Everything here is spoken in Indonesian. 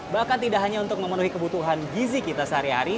bahkan tidak hanya untuk memenuhi kebutuhan gizi kita sehari hari